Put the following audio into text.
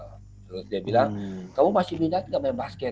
terus dia bilang kamu masih minat gak main basket